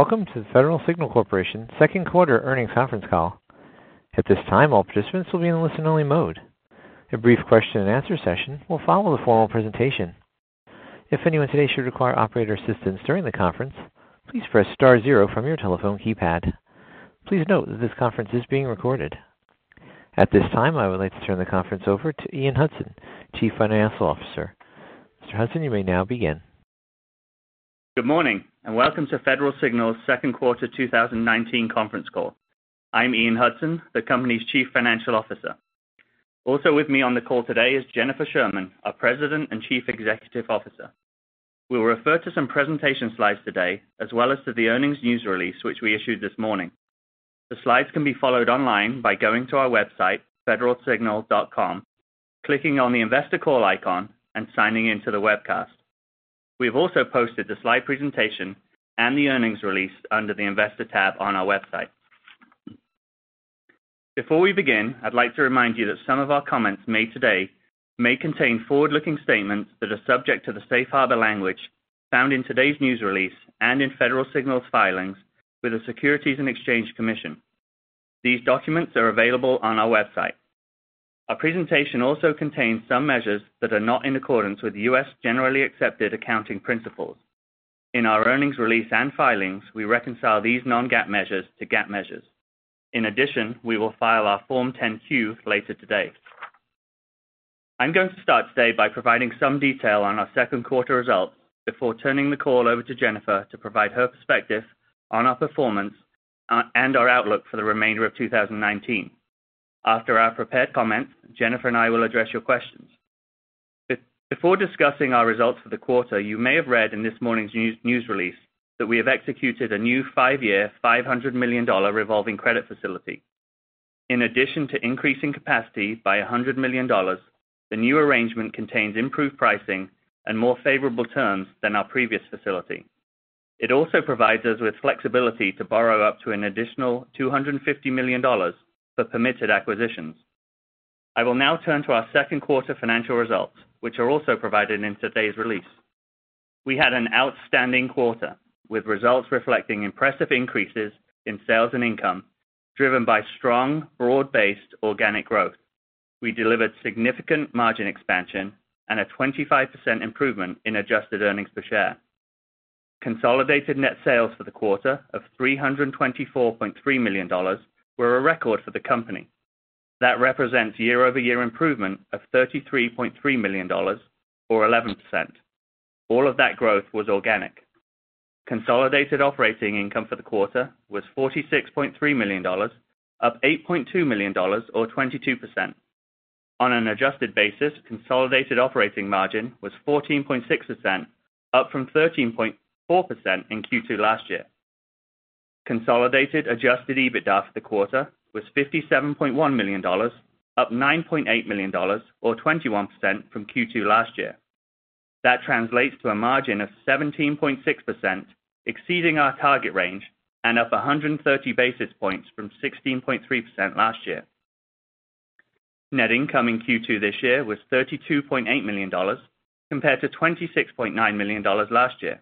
Welcome to the Federal Signal Corporation second quarter earnings conference call. At this time, all participants will be in listen-only mode. A brief question-and-answer session will follow the formal presentation. If anyone today should require operator assistance during the conference, please press star zero from your telephone keypad. Please note that this conference is being recorded. At this time, I would like to turn the conference over to Ian Hudson, Chief Financial Officer. Mr. Hudson, you may now begin. Good morning, welcome to Federal Signal's second quarter 2019 conference call. I'm Ian Hudson, the company's Chief Financial Officer. Also with me on the call today is Jennifer Sherman, our President and Chief Executive Officer. We will refer to some presentation slides today, as well as to the earnings news release, which we issued this morning. The slides can be followed online by going to our website, federalsignal.com, clicking on the Investor Call icon, and signing in to the webcast. We have also posted the slide presentation and the earnings release under the Investor tab on our website. Before we begin, I'd like to remind you that some of our comments made today may contain forward-looking statements that are subject to the safe harbor language found in today's news release and in Federal Signal's filings with the Securities and Exchange Commission. These documents are available on our website. Our presentation also contains some measures that are not in accordance with US generally accepted accounting principles. In our earnings release and filings, we reconcile these non-GAAP measures to GAAP measures. We will file our Form 10-Q later today. I'm going to start today by providing some detail on our second quarter results before turning the call over to Jennifer to provide her perspective on our performance and our outlook for the remainder of 2019. After our prepared comments, Jennifer and I will address your questions. Before discussing our results for the quarter, you may have read in this morning's news release that we have executed a new five-year, $500 million revolving credit facility. In addition to increasing capacity by $100 million, the new arrangement contains improved pricing and more favorable terms than our previous facility. It also provides us with flexibility to borrow up to an additional $250 million for permitted acquisitions. I will now turn to our second quarter financial results, which are also provided in today's release. We had an outstanding quarter, with results reflecting impressive increases in sales and income driven by strong, broad-based organic growth. We delivered significant margin expansion and a 25% improvement in adjusted earnings per share. Consolidated net sales for the quarter of $324.3 million were a record for the company. That represents year-over-year improvement of $33.3 million, or 11%. All of that growth was organic. Consolidated operating income for the quarter was $46.3 million, up $8.2 million, or 22%. On an adjusted basis, consolidated operating margin was 14.6%, up from 13.4% in Q2 last year. Consolidated adjusted EBITDA for the quarter was $57.1 million, up $9.8 million, or 21%, from Q2 last year. That translates to a margin of 17.6%, exceeding our target range, and up 130 basis points from 16.3% last year. Net income in Q2 this year was $32.8 million, compared to $26.9 million last year.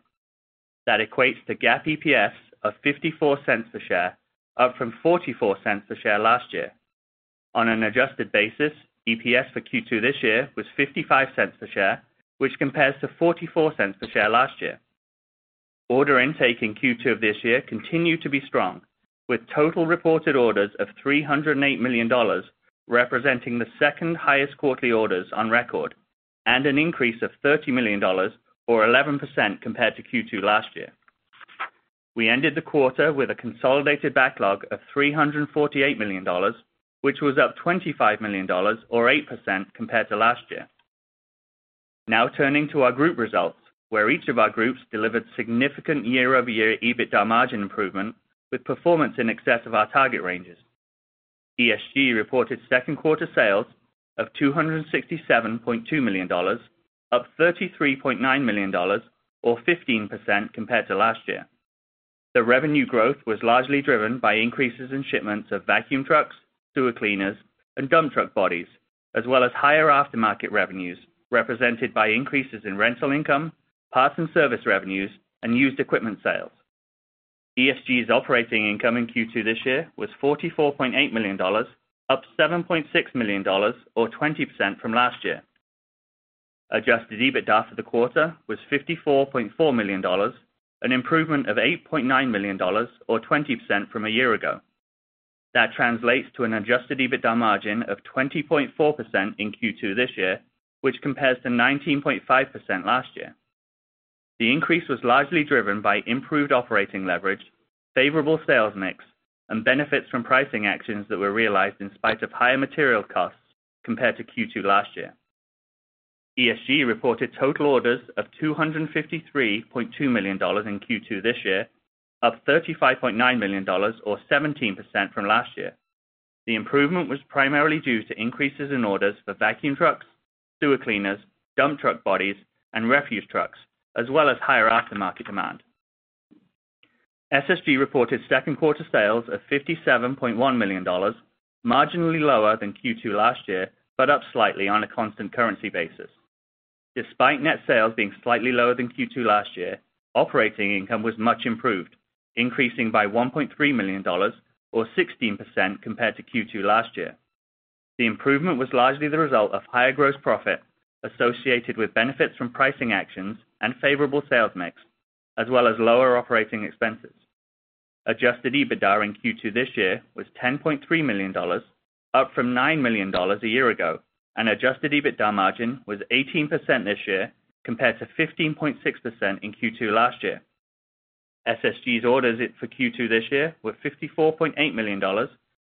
That equates to GAAP EPS of $0.54 per share, up from $0.44 per share last year. On an adjusted basis, EPS for Q2 this year was $0.55 per share, which compares to $0.44 per share last year. Order intake in Q2 of this year continued to be strong, with total reported orders of $308 million, representing the second highest quarterly orders on record and an increase of $30 million, or 11%, compared to Q2 last year. We ended the quarter with a consolidated backlog of $348 million, which was up $25 million, or 8%, compared to last year. Now turning to our group results, where each of our groups delivered significant year-over-year EBITDA margin improvement, with performance in excess of our target ranges. ESG reported second quarter sales of $267.2 million, up $33.9 million, or 15%, compared to last year. The revenue growth was largely driven by increases in shipments of vacuum trucks, sewer cleaners, and dump truck bodies, as well as higher aftermarket revenues, represented by increases in rental income, parts and service revenues, and used equipment sales. ESG's operating income in Q2 this year was $44.8 million, up $7.6 million, or 20%, from last year. Adjusted EBITDA for the quarter was $54.4 million, an improvement of $8.9 million, or 20%, from a year ago. That translates to an adjusted EBITDA margin of 20.4% in Q2 this year, which compares to 19.5% last year. The increase was largely driven by improved operating leverage, favorable sales mix, and benefits from pricing actions that were realized in spite of higher material costs compared to Q2 last year. ESG reported total orders of $253.2 million in Q2 this year, up $35.9 million, or 17%, from last year. The improvement was primarily due to increases in orders for vacuum trucks, sewer cleaners, dump truck bodies, and refuse trucks, as well as higher aftermarket demand. SSG reported second quarter sales of $57.1 million, marginally lower than Q2 last year, but up slightly on a constant currency basis. Despite net sales being slightly lower than Q2 last year, operating income was much improved, increasing by $1.3 million, or 16% compared to Q2 last year. The improvement was largely the result of higher gross profit associated with benefits from pricing actions and favorable sales mix, as well as lower operating expenses. Adjusted EBITDA in Q2 this year was $10.3 million, up from $9 million a year ago, and adjusted EBITDA margin was 18% this year, compared to 15.6% in Q2 last year. SSG's orders for Q2 this year were $54.8 million,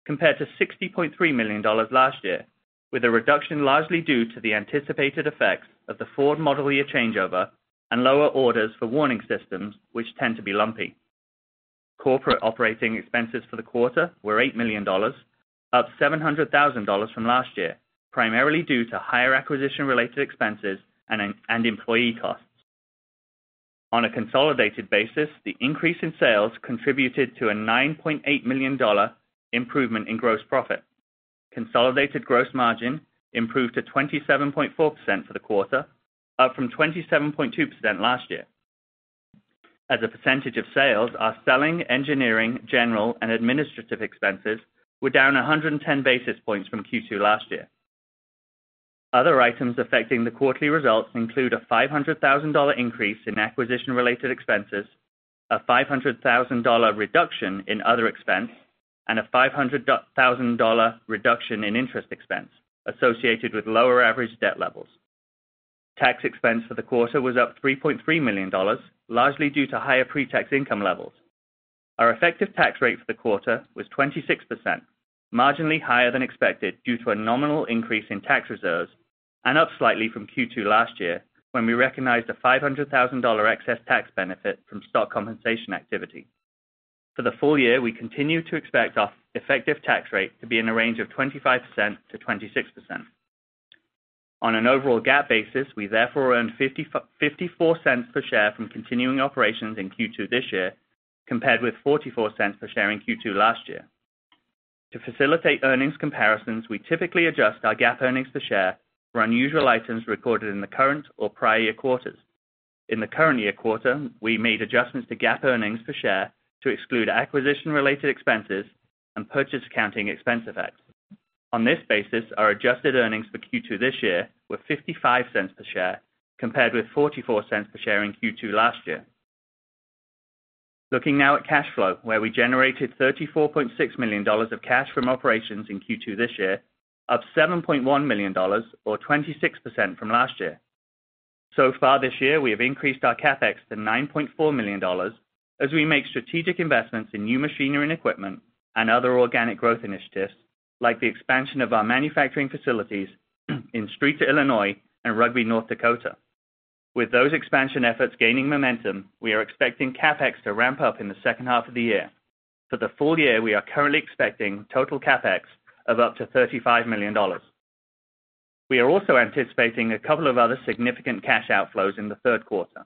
compared to $60.3 million last year, with a reduction largely due to the anticipated effects of the Ford model year changeover and lower orders for warning systems, which tend to be lumpy. Corporate operating expenses for the quarter were $8 million, up $700,000 from last year, primarily due to higher acquisition-related expenses and employee costs. On a consolidated basis, the increase in sales contributed to a $9.8 million improvement in gross profit. Consolidated gross margin improved to 27.4% for the quarter, up from 27.2% last year. As a percentage of sales, our selling, engineering, general, and administrative expenses were down 110 basis points from Q2 last year. Other items affecting the quarterly results include a $500,000 increase in acquisition-related expenses, a $500,000 reduction in other expense, and a $500,000 reduction in interest expense associated with lower average debt levels. Tax expense for the quarter was up $3.3 million, largely due to higher pre-tax income levels. Our effective tax rate for the quarter was 26%, marginally higher than expected due to a nominal increase in tax reserves and up slightly from Q2 last year, when we recognized a $500,000 excess tax benefit from stock compensation activity. For the full year, we continue to expect our effective tax rate to be in the range of 25%-26%. On an overall GAAP basis, we therefore earned $0.54 per share from continuing operations in Q2 this year, compared with $0.44 per share in Q2 last year. To facilitate earnings comparisons, we typically adjust our GAAP earnings per share for unusual items recorded in the current or prior year quarters. In the current year quarter, we made adjustments to GAAP earnings per share to exclude acquisition-related expenses and purchase accounting expense effects. On this basis, our adjusted earnings for Q2 this year were $0.55 per share, compared with $0.44 per share in Q2 last year. Looking now at cash flow, where we generated $34.6 million of cash from operations in Q2 this year, up $7.1 million or 26% from last year. So far this year, we have increased our CapEx to $9.4 million as we make strategic investments in new machinery and equipment and other organic growth initiatives, like the expansion of our manufacturing facilities in Streator, Illinois and Rugby, North Dakota. With those expansion efforts gaining momentum, we are expecting CapEx to ramp up in the second half of the year. For the full year, we are currently expecting total CapEx of up to $35 million. We are also anticipating a couple of other significant cash outflows in the third quarter.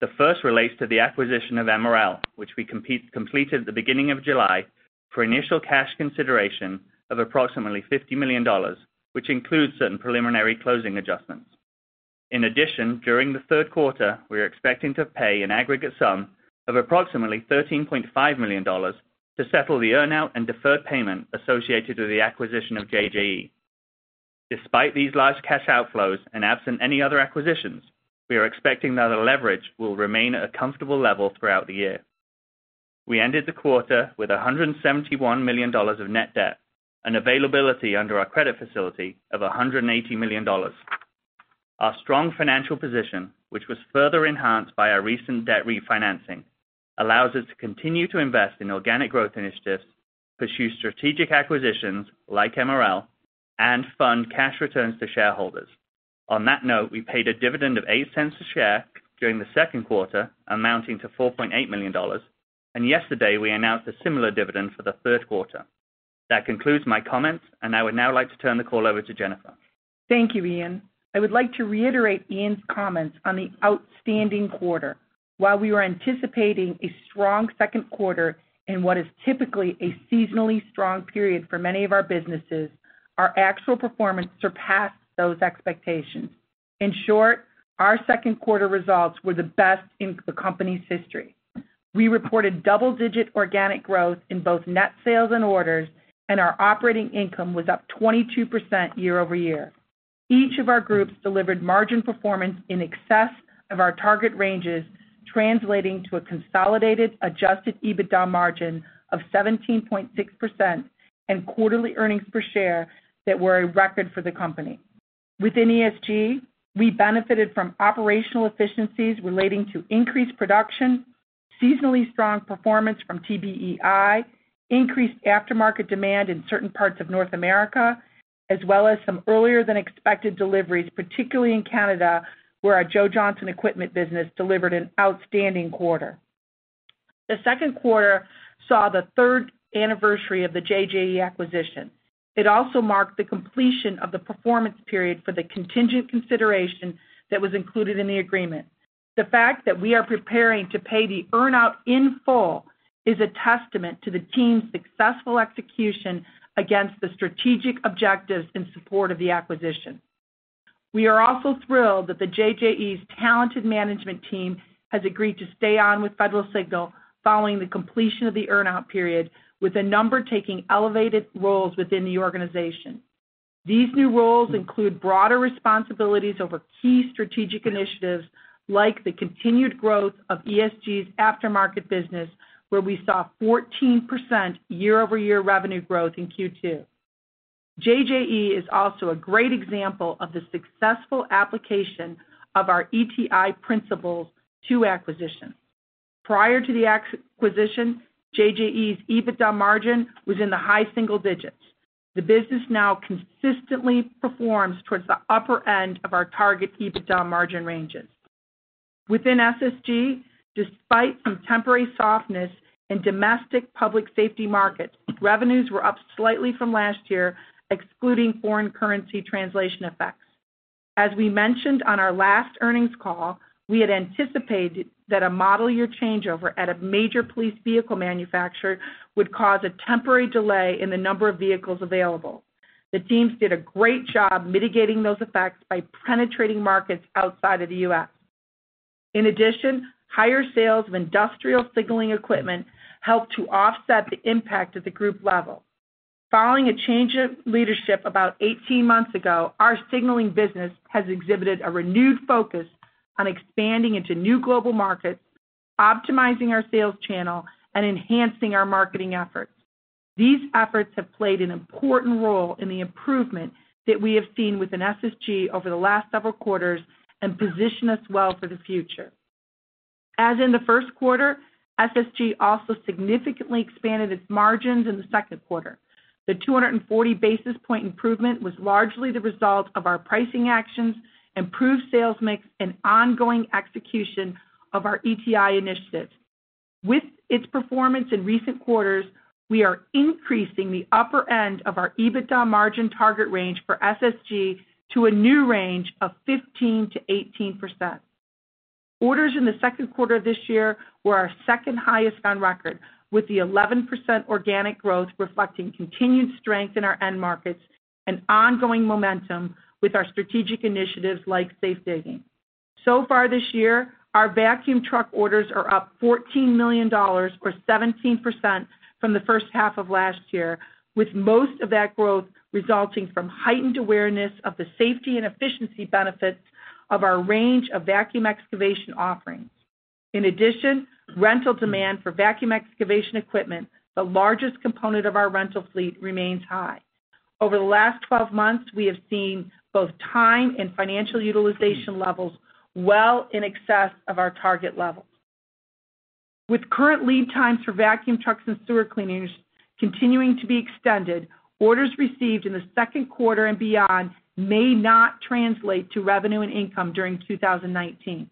The first relates to the acquisition of MRL, which we completed at the beginning of July for initial cash consideration of approximately $50 million, which includes certain preliminary closing adjustments. In addition, during the third quarter, we are expecting to pay an aggregate sum of approximately $13.5 million to settle the earn-out and deferred payment associated with the acquisition of JJE. Despite these large cash outflows and absent any other acquisitions, we are expecting that the leverage will remain at a comfortable level throughout the year. We ended the quarter with $171 million of net debt and availability under our credit facility of $180 million. Our strong financial position, which was further enhanced by our recent debt refinancing, allows us to continue to invest in organic growth initiatives, pursue strategic acquisitions like MRL, and fund cash returns to shareholders. On that note, we paid a dividend of $0.08 a share during the second quarter, amounting to $4.8 million, and yesterday we announced a similar dividend for the third quarter. That concludes my comments, and I would now like to turn the call over to Jennifer. Thank you, Ian. I would like to reiterate Ian's comments on the outstanding quarter. While we were anticipating a strong second quarter in what is typically a seasonally strong period for many of our businesses, our actual performance surpassed those expectations. In short, our second quarter results were the best in the company's history. We reported double-digit organic growth in both net sales and orders, and our operating income was up 22% year-over-year. Each of our groups delivered margin performance in excess of our target ranges, translating to a consolidated adjusted EBITDA margin of 17.6% and quarterly earnings per share that were a record for the company. Within ESG, we benefited from operational efficiencies relating to increased production, seasonally strong performance from TBEI, increased aftermarket demand in certain parts of North America, as well as some earlier than expected deliveries, particularly in Canada, where our Joe Johnson Equipment business delivered an outstanding quarter. The second quarter saw the third anniversary of the JJE acquisition. It also marked the completion of the performance period for the contingent consideration that was included in the agreement. The fact that we are preparing to pay the earn-out in full is a testament to the team's successful execution against the strategic objectives in support of the acquisition. We are also thrilled that the JJE's talented management team has agreed to stay on with Federal Signal following the completion of the earn-out period, with a number taking elevated roles within the organization. These new roles include broader responsibilities over key strategic initiatives, like the continued growth of ESG's aftermarket business, where we saw 14% year-over-year revenue growth in Q2. JJE is also a great example of the successful application of our ETI principles to acquisition. Prior to the acquisition, JJE's EBITDA margin was in the high single digits. The business now consistently performs towards the upper end of our target EBITDA margin ranges. Within SSG, despite some temporary softness in domestic public safety markets, revenues were up slightly from last year, excluding foreign currency translation effects. As we mentioned on our last earnings call, we had anticipated that a model year changeover at a major police vehicle manufacturer would cause a temporary delay in the number of vehicles available. The teams did a great job mitigating those effects by penetrating markets outside of the U.S. In addition, higher sales of industrial signaling equipment helped to offset the impact at the group level. Following a change in leadership about 18 months ago, our signaling business has exhibited a renewed focus on expanding into new global markets, optimizing our sales channel, and enhancing our marketing efforts. These efforts have played an important role in the improvement that we have seen within SSG over the last several quarters and position us well for the future. As in the first quarter, SSG also significantly expanded its margins in the second quarter. The 240 basis point improvement was largely the result of our pricing actions, improved sales mix, and ongoing execution of our ETI initiatives. With its performance in recent quarters, we are increasing the upper end of our EBITDA margin target range for SSG to a new range of 15%-18%. Orders in the second quarter this year were our second highest on record, with the 11% organic growth reflecting continued strength in our end markets and ongoing momentum with our strategic initiatives like safe digging. This year, our vacuum truck orders are up $14 million, or 17%, from the first half of last year, with most of that growth resulting from heightened awareness of the safety and efficiency benefits of our range of vacuum excavation offerings. In addition, rental demand for vacuum excavation equipment, the largest component of our rental fleet, remains high. Over the last 12 months, we have seen both time and financial utilization levels well in excess of our target levels. With current lead times for vacuum trucks and sewer cleaners continuing to be extended, orders received in the second quarter and beyond may not translate to revenue and income during 2019.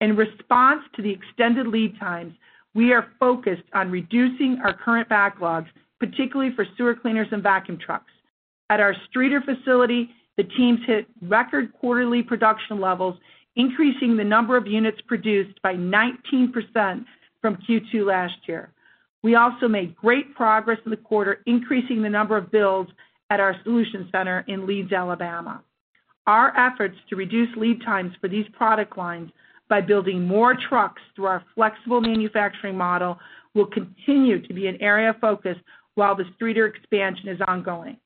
In response to the extended lead times, we are focused on reducing our current backlogs, particularly for sewer cleaners and vacuum trucks. At our Streator facility, the teams hit record quarterly production levels, increasing the number of units produced by 19% from Q2 last year. We also made great progress in the quarter, increasing the number of builds at our solution center in Leeds, Alabama. Our efforts to reduce lead times for these product lines by building more trucks through our flexible manufacturing model will continue to be an area of focus while the Streator expansion is ongoing.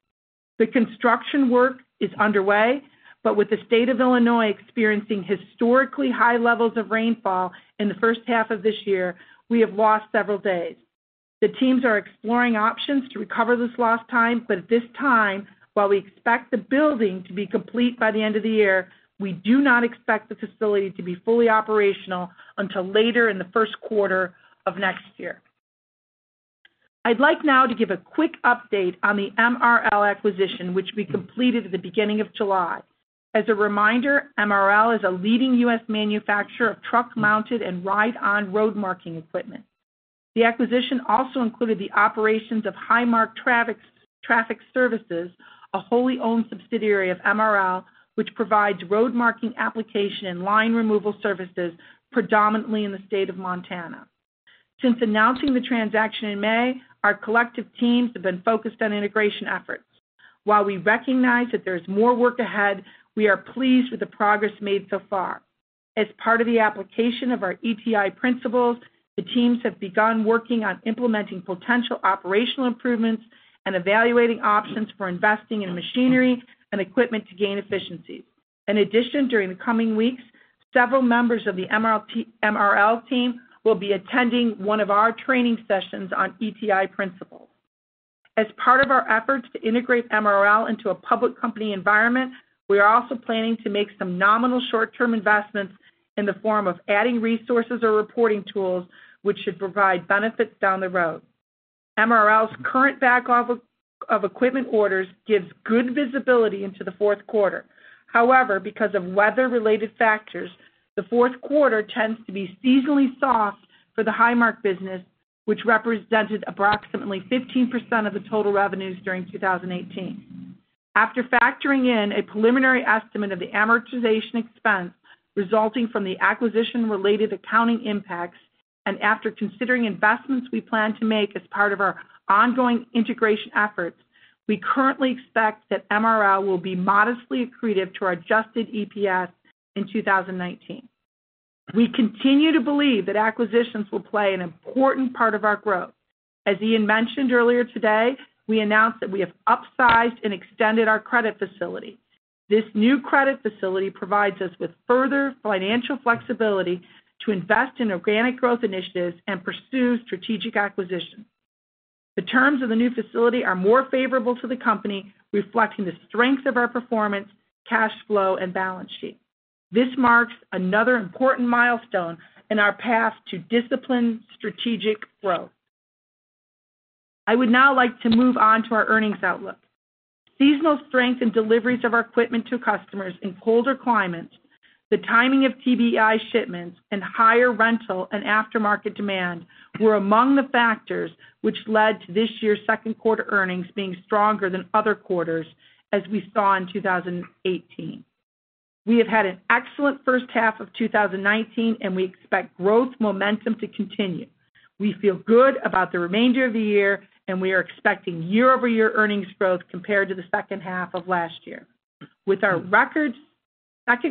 The construction work is underway, but with the state of Illinois experiencing historically high levels of rainfall in the first half of this year, we have lost several days. The teams are exploring options to recover this lost time, but at this time, while we expect the building to be complete by the end of the year, we do not expect the facility to be fully operational until later in the first quarter of next year. I'd like now to give a quick update on the MRL acquisition, which we completed at the beginning of July. As a reminder, MRL is a leading U.S. manufacturer of truck-mounted and ride-on road marking equipment. The acquisition also included the operations of HighMark Traffic Services, a wholly owned subsidiary of MRL, which provides road marking application and line removal services predominantly in the state of Montana. Since announcing the transaction in May, our collective teams have been focused on integration efforts. While we recognize that there's more work ahead, we are pleased with the progress made so far. As part of the application of our ETI principles, the teams have begun working on implementing potential operational improvements and evaluating options for investing in machinery and equipment to gain efficiencies. In addition, during the coming weeks, several members of the MRL team will be attending one of our training sessions on ETI principles. As part of our efforts to integrate MRL into a public company environment, we are also planning to make some nominal short-term investments in the form of adding resources or reporting tools, which should provide benefits down the road. MRL's current backlog of equipment orders gives good visibility into the fourth quarter. However, because of weather-related factors, the fourth quarter tends to be seasonally soft for the HighMark business, which represented approximately 15% of the total revenues during 2018. After factoring in a preliminary estimate of the amortization expense resulting from the acquisition-related accounting impacts, and after considering investments we plan to make as part of our ongoing integration efforts, we currently expect that MRL will be modestly accretive to our adjusted EPS in 2019. We continue to believe that acquisitions will play an important part of our growth. As Ian mentioned earlier today, we announced that we have upsized and extended our credit facility. This new credit facility provides us with further financial flexibility to invest in organic growth initiatives and pursue strategic acquisitions. The terms of the new facility are more favorable to the company, reflecting the strength of our performance, cash flow, and balance sheet. This marks another important milestone in our path to disciplined, strategic growth. I would now like to move on to our earnings outlook. Seasonal strength in deliveries of our equipment to customers in colder climates, the timing of TBEI shipments, and higher rental and aftermarket demand were among the factors which led to this year's second quarter earnings being stronger than other quarters, as we saw in 2018. We have had an excellent first half of 2019, and we expect growth momentum to continue. We feel good about the remainder of the year, and we are expecting year-over-year earnings growth compared to the second half of last year. With our record second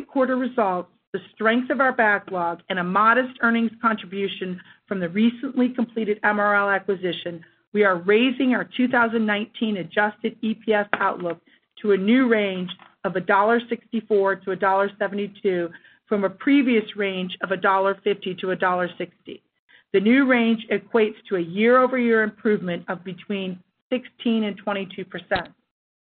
quarter results, the strength of our backlog, and a modest earnings contribution from the recently completed MRL acquisition, we are raising our 2019 adjusted EPS outlook to a new range of $1.64-$1.72 from a previous range of $1.50-$1.60. The new range equates to a year-over-year improvement of between 16% and 22%.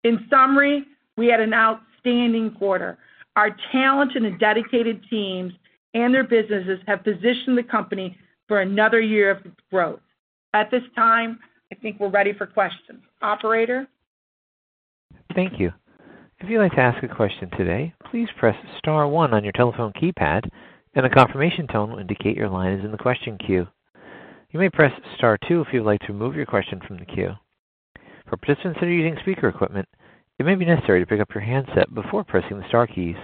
In summary, we had an outstanding quarter. Our talented and dedicated teams and their businesses have positioned the company for another year of growth. At this time, I think we're ready for questions. Operator? Thank you. If you'd like to ask a question today, please press *1 on your telephone keypad, and a confirmation tone will indicate your line is in the question queue. You may press *2 if you'd like to remove your question from the queue. For participants that are using speaker equipment, it may be necessary to pick up your handset before pressing the star keys.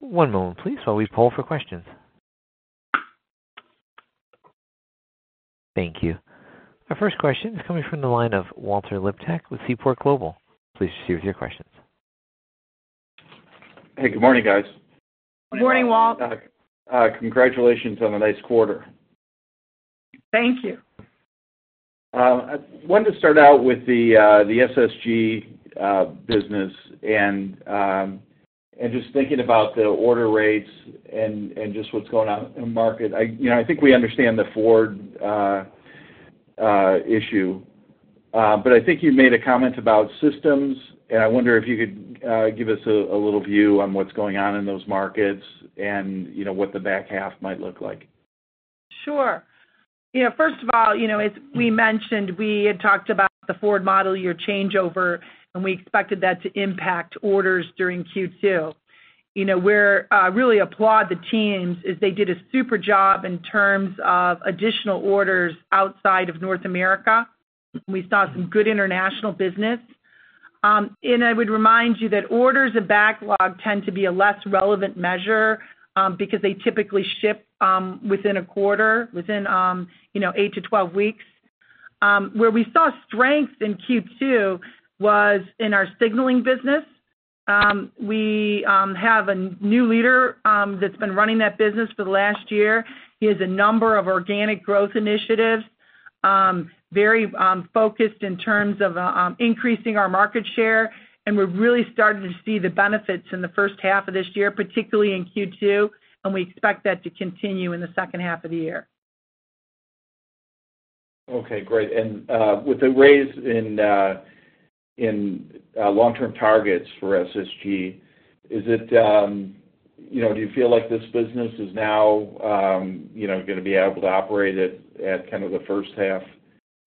One moment please while we poll for questions. Thank you. Our first question is coming from the line of Walter Liptak with Seaport Global. Please proceed with your questions. Hey, good morning, guys. Morning, Walt. Congratulations on a nice quarter. Thank you. I wanted to start out with the SSG business and just thinking about the order rates and just what's going on in the market. I think we understand the Ford issue. I think you made a comment about systems, and I wonder if you could give us a little view on what's going on in those markets and what the back half might look like. Sure. First of all, as we mentioned, we had talked about the Ford model year changeover, and we expected that to impact orders during Q2. We really applaud the teams as they did a super job in terms of additional orders outside of North America. We saw some good international business. I would remind you that orders and backlog tend to be a less relevant measure because they typically ship within a quarter, within 8 to 12 weeks. Where we saw strength in Q2 was in our signaling business. We have a new leader that's been running that business for the last year. He has a number of organic growth initiatives, very focused in terms of increasing our market share, and we're really starting to see the benefits in the first half of this year, particularly in Q2, and we expect that to continue in the second half of the year. Okay, great. With the raise in long-term targets for SSG, do you feel like this business is now going to be able to operate at kind of the first half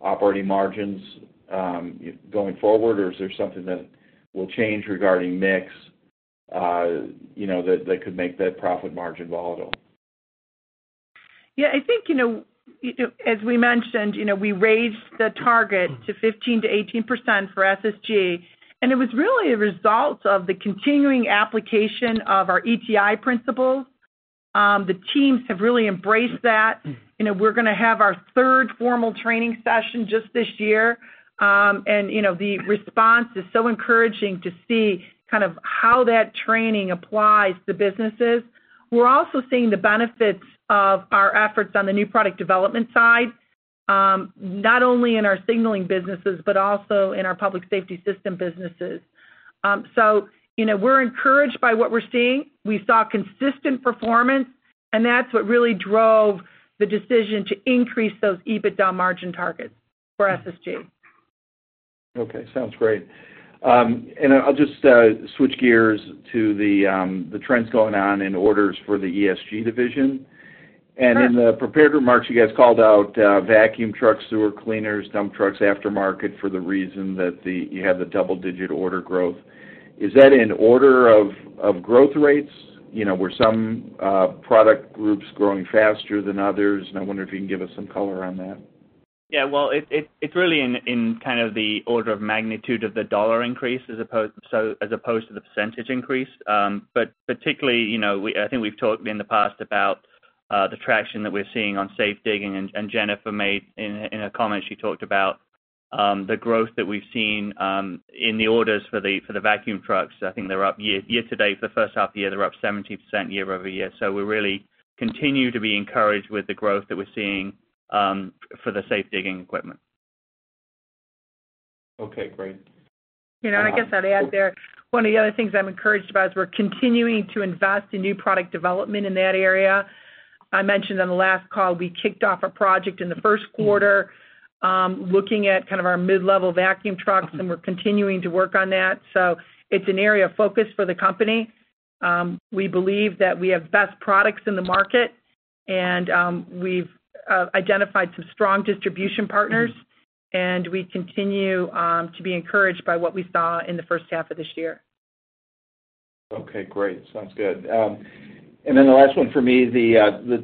operating margins going forward, or is there something that will change regarding mix that could make that profit margin volatile? Yeah, I think, as we mentioned, we raised the target to 15%-18% for SSG. It was really a result of the continuing application of our ETI principles. The teams have really embraced that. We're going to have our third formal training session just this year. The response is so encouraging to see kind of how that training applies to businesses. We're also seeing the benefits of our efforts on the new product development side, not only in our signaling businesses, but also in our public safety system businesses. We're encouraged by what we're seeing. We saw consistent performance. That's what really drove the decision to increase those EBITDA margin targets for SSG. Okay, sounds great. I'll just switch gears to the trends going on in orders for the ESG division. Sure. In the prepared remarks, you guys called out vacuum trucks, sewer cleaners, dump trucks, aftermarket for the reason that you have the double-digit order growth. Is that in order of growth rates? Were some product groups growing faster than others? I wonder if you can give us some color on that. Well, it's really in kind of the order of magnitude of the dollar increase as opposed to the percentage increase. Particularly, I think we've talked in the past about the traction that we're seeing on safe digging, and Jennifer made, in a comment, she talked about the growth that we've seen in the orders for the vacuum trucks. I think they're up year-to-date for the first half of the year, they're up 17% year-over-year. We really continue to be encouraged with the growth that we're seeing for the safe digging equipment. Okay, great. I guess I'd add there, one of the other things I'm encouraged about is we're continuing to invest in new product development in that area. I mentioned on the last call, we kicked off a project in the first quarter, looking at kind of our mid-level vacuum trucks, and we're continuing to work on that. It's an area of focus for the company. We believe that we have best products in the market, and we've identified some strong distribution partners, and we continue to be encouraged by what we saw in the first half of this year. Okay, great. Sounds good. The last one for me, the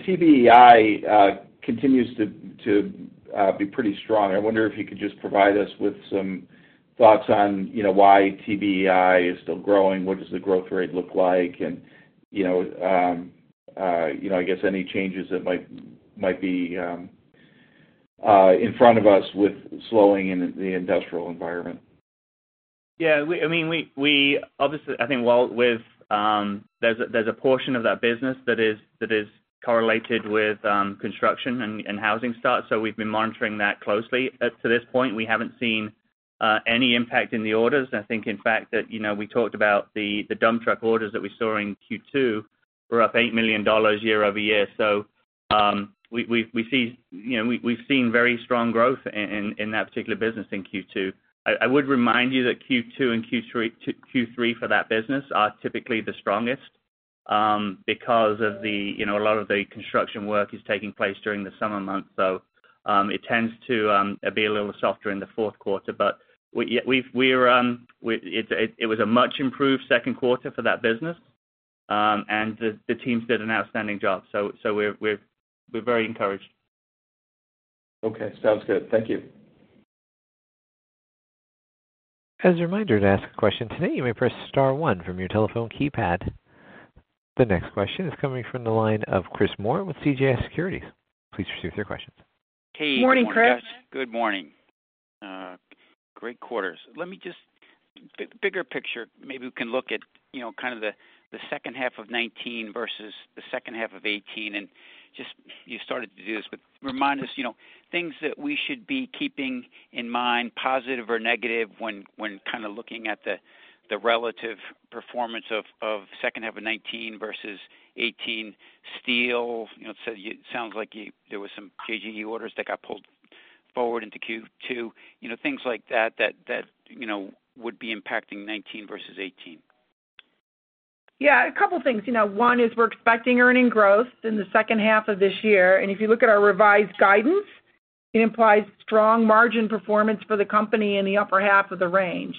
TBEI continues to be pretty strong. I wonder if you could just provide us with some thoughts on why TBEI is still growing, what does the growth rate look like, and I guess any changes that might be in front of us with slowing in the industrial environment. Yeah. Obviously, I think there's a portion of that business that is correlated with construction and housing starts, so we've been monitoring that closely. To this point, we haven't seen any impact in the orders. I think, in fact, that we talked about the dump truck orders that we saw in Q2 were up $8 million year-over-year. We've seen very strong growth in that particular business in Q2. I would remind you that Q2 and Q3 for that business are typically the strongest because a lot of the construction work is taking place during the summer months, so it tends to be a little softer in the fourth quarter. It was a much improved second quarter for that business, and the teams did an outstanding job, so we're very encouraged. Okay, sounds good. Thank you. As a reminder to ask a question today, you may press *1 from your telephone keypad. The next question is coming from the line of Chris Moore with CJS Securities. Please proceed with your questions. Morning, Chris. Hey, good morning, guys. Good morning. Great quarters. Let me. Bigger picture, maybe we can look at kind of the second half of 2019 versus the second half of 2018. You started to do this, but remind us things that we should be keeping in mind, positive or negative, when kind of looking at the relative performance of second half of 2019 versus 2018. Steel, it sounds like there was some JJE orders that got pulled forward into Q2. Things like that that would be impacting 2019 versus 2018. Yeah, a couple things. One is we're expecting earning growth in the second half of this year. If you look at our revised guidance, it implies strong margin performance for the company in the upper half of the range.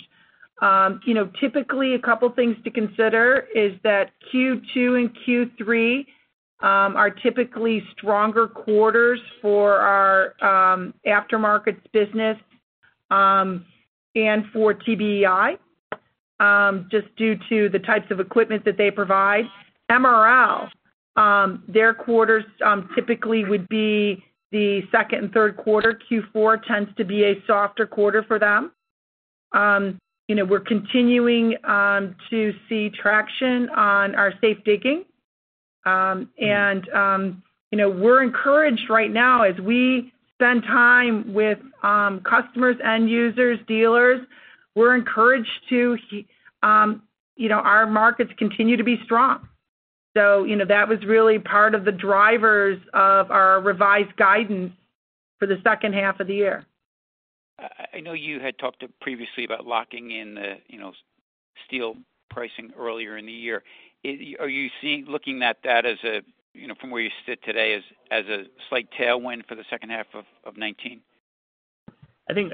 Typically, a couple things to consider is that Q2 and Q3 are typically stronger quarters for our aftermarkets business, and for TBEI, just due to the types of equipment that they provide. MRL, their quarters typically would be the second and third quarter. Q4 tends to be a softer quarter for them. We're continuing to see traction on our safe digging. We're encouraged right now as we spend time with customers, end users, dealers, we're encouraged our markets continue to be strong. That was really part of the drivers of our revised guidance for the second half of the year. I know you had talked previously about locking in the steel pricing earlier in the year. Are you looking at that, from where you sit today, as a slight tailwind for the second half of 2019? I think,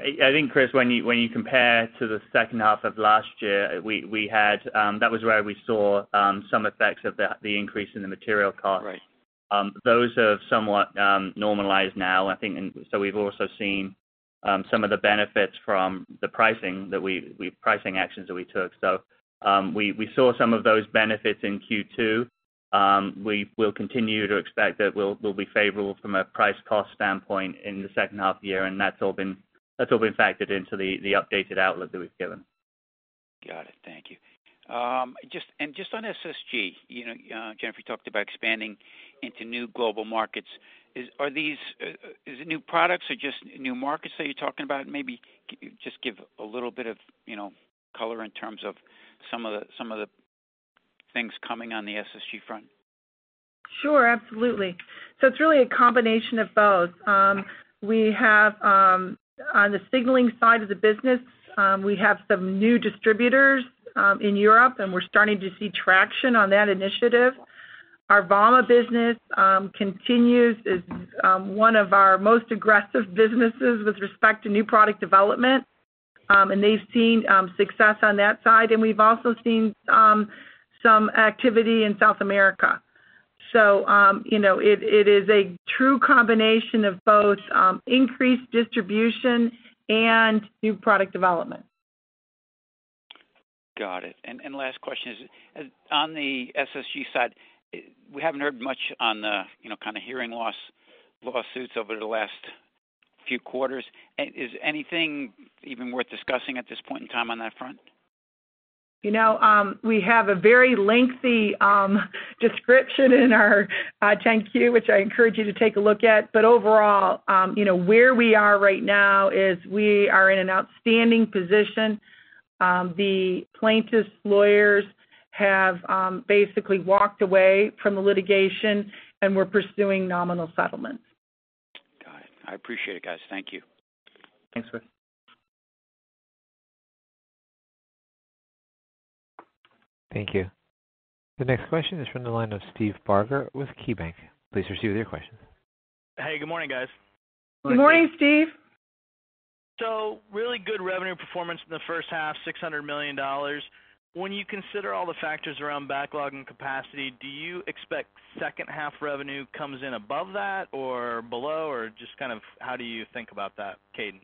Chris, when you compare to the second half of last year, that was where we saw some effects of the increase in the material costs. Right. Those have somewhat normalized now, I think. We've also seen some of the benefits from the pricing actions that we took. We saw some of those benefits in Q2. We will continue to expect that we'll be favorable from a price cost standpoint in the second half of the year, and that's all been factored into the updated outlook that we've given. Got it. Thank you. Just on SSG, Jennifer talked about expanding into new global markets. Is it new products or just new markets that you're talking about? Maybe just give a little bit of color in terms of some of the things coming on the SSG front. Sure, absolutely. It's really a combination of both. On the signaling side of the business, we have some new distributors in Europe, and we're starting to see traction on that initiative. Our VAMA business continues as one of our most aggressive businesses with respect to new product development. They've seen success on that side. We've also seen some activity in South America. It is a true combination of both increased distribution and new product development. Got it. Last question is, on the SSG side, we haven't heard much on the kind of hearing loss lawsuits over the last few quarters. Is anything even worth discussing at this point in time on that front? We have a very lengthy description in our 10-Q, which I encourage you to take a look at. Overall, where we are right now is we are in an outstanding position. The plaintiffs' lawyers have basically walked away from the litigation, and we're pursuing nominal settlements. Got it. I appreciate it, guys. Thank you. Thanks, Chris. Thank you. The next question is from the line of Steve Barger with KeyBanc. Please proceed with your question. Hey, good morning, guys. Good morning, Steve. Really good revenue performance in the first half, $600 million. When you consider all the factors around backlog and capacity, do you expect second half revenue comes in above that or below or just kind of how do you think about that cadence?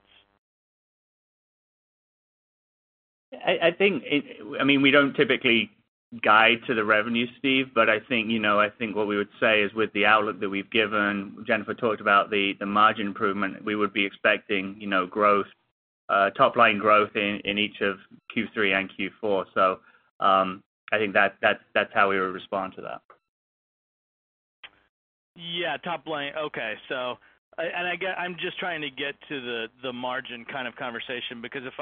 I think, we don't typically guide to the revenue, Steve, but I think what we would say is with the outlook that we've given, Jennifer talked about the margin improvement, we would be expecting top-line growth in each of Q3 and Q4. I think that's how we would respond to that. Yeah. Top line. Okay. I'm just trying to get to the margin kind of conversation, because if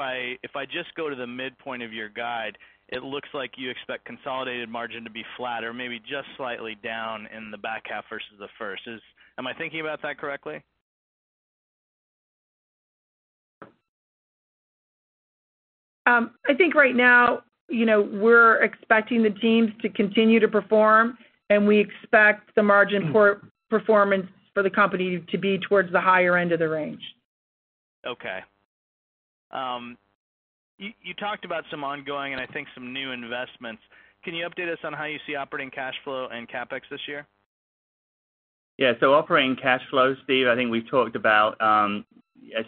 I just go to the midpoint of your guide, it looks like you expect consolidated margin to be flat or maybe just slightly down in the back half versus the first. Am I thinking about that correctly? I think right now, we're expecting the teams to continue to perform, and we expect the margin for performance for the company to be towards the higher end of the range. Okay. You talked about some ongoing and I think some new investments. Can you update us on how you see operating cash flow and CapEx this year? Yeah. Operating cash flow, Steve, I think we've talked about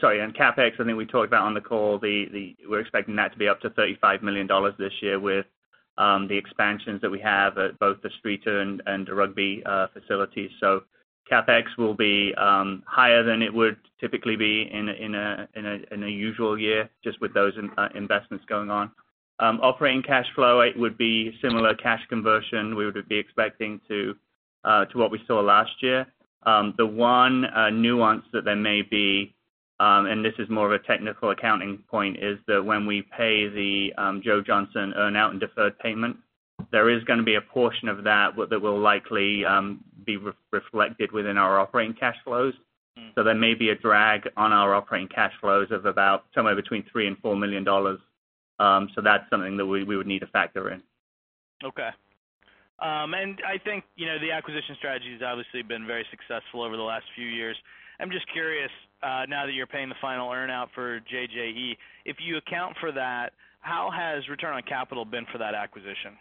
Sorry, on CapEx, I think we talked about on the call we're expecting that to be up to $35 million this year with the expansions that we have at both the Streator and the Rugby facilities. CapEx will be higher than it would typically be in a usual year just with those investments going on. Operating cash flow, it would be similar cash conversion. We would be expecting to what we saw last year. The one nuance that there may be, and this is more of a technical accounting point, is that when we pay the Joe Johnson earn-out and deferred payment, there is going to be a portion of that that will likely be reflected within our operating cash flows. There may be a drag on our operating cash flows of about somewhere between $3 million-$4 million. That's something that we would need to factor in. Okay. I think the acquisition strategy has obviously been very successful over the last few years. I'm just curious, now that you're paying the final earn-out for JJE, if you account for that, how has return on capital been for that acquisition?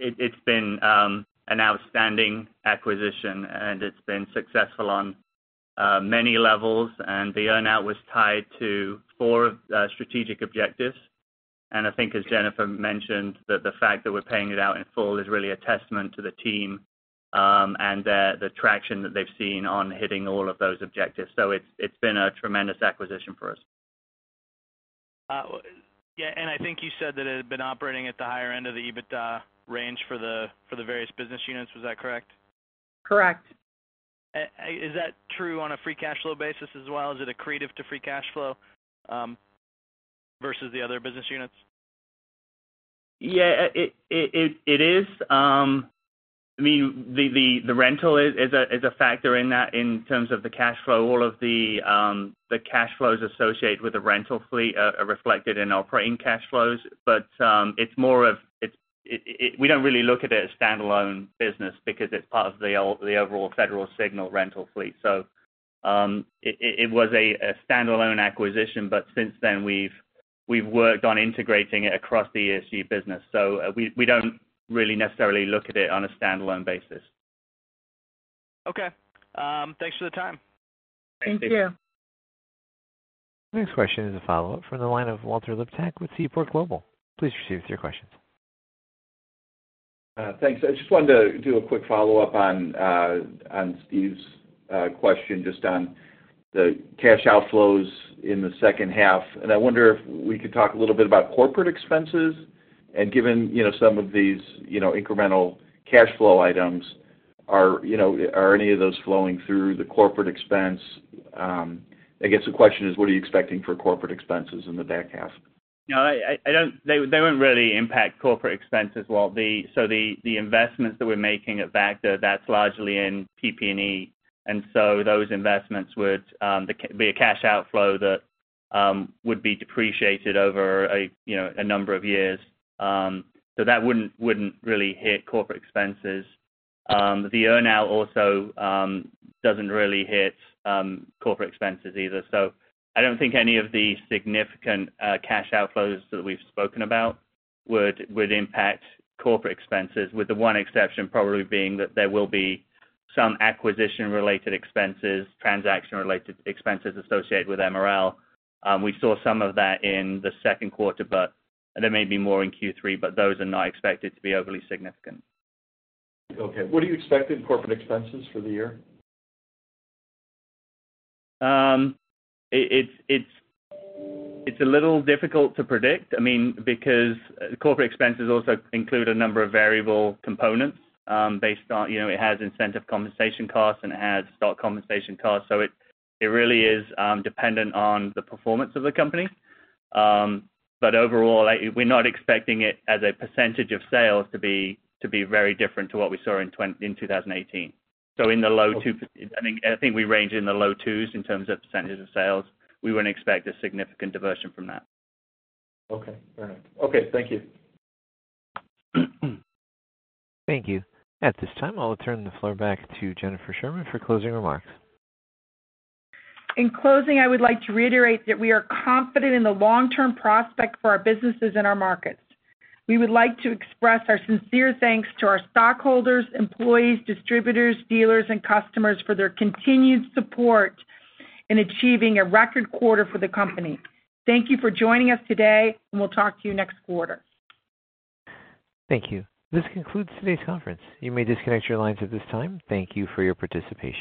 It's been an outstanding acquisition, and it's been successful on many levels, and the earn-out was tied to four strategic objectives. I think, as Jennifer mentioned, that the fact that we're paying it out in full is really a testament to the team, and the traction that they've seen on hitting all of those objectives. It's been a tremendous acquisition for us. Yeah, I think you said that it had been operating at the higher end of the EBITDA range for the various business units. Was that correct? Correct. Is that true on a free cash flow basis as well? Is it accretive to free cash flow versus the other business units? Yeah, it is. The rental is a factor in that in terms of the cash flow. All of the cash flows associated with the rental fleet are reflected in operating cash flows. We don't really look at it as standalone business because it's part of the overall Federal Signal rental fleet. It was a standalone acquisition, but since then we've worked on integrating it across the ESG business. We don't really necessarily look at it on a standalone basis. Okay. Thanks for the time. Thank you. Next question is a follow-up from the line of Walter Liptak with Seaport Global. Please proceed with your questions. Thanks. I just wanted to do a quick follow-up on Steve's question just on the cash outflows in the second half. I wonder if we could talk a little bit about corporate expenses, and given some of these incremental cash flow items are any of those flowing through the corporate expense? I guess the question is, what are you expecting for corporate expenses in the back half? They won't really impact corporate expenses, Walt. The investments that we're making at Vactor, that's largely in PP&E, those investments would be a cash outflow that would be depreciated over a number of years. That wouldn't really hit corporate expenses. The earn-out also doesn't really hit corporate expenses either. I don't think any of the significant cash outflows that we've spoken about would impact corporate expenses, with the one exception probably being that there will be some acquisition-related expenses, transaction-related expenses associated with MRL. We saw some of that in the second quarter, there may be more in Q3, those are not expected to be overly significant. Okay. What are you expecting corporate expenses for the year? It's a little difficult to predict because corporate expenses also include a number of variable components based on, it has incentive compensation costs, and it has stock compensation costs. It really is dependent on the performance of the company. Overall, we're not expecting it as a percentage of sales to be very different to what we saw in 2018. I think we range in the low twos in terms of percentage of sales. We wouldn't expect a significant diversion from that. Okay. All right. Okay. Thank you. Thank you. At this time, I'll turn the floor back to Jennifer Sherman for closing remarks. In closing, I would like to reiterate that we are confident in the long-term prospect for our businesses and our markets. We would like to express our sincere thanks to our stockholders, employees, distributors, dealers, and customers for their continued support in achieving a record quarter for the company. Thank you for joining us today, and we'll talk to you next quarter. Thank you. This concludes today's conference. You may disconnect your lines at this time. Thank you for your participation.